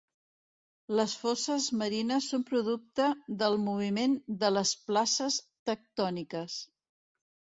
Les fosses marines són producte del moviment de les places tectòniques.